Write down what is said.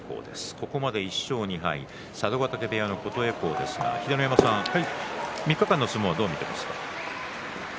ここまで１勝２敗の佐渡ヶ嶽部屋の琴恵光ですが３日間の相撲をどう見ていますか。